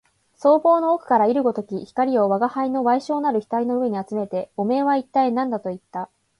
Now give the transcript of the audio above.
双眸の奥から射るごとき光を吾輩の矮小なる額の上にあつめて、おめえは一体何だと言った